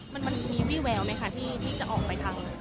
มันมีวี่แววไหมคะที่จะออกไปทาง